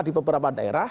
di beberapa daerah